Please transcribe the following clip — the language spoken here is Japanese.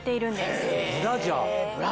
へぇ「ブラジャー」。